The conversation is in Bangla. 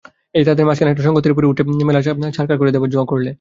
এই তাদের মাঝখানে একটা সংঘ তেড়েফুঁড়ে উঠে মেলামেশা ছারখার করে দেবার জো করলে।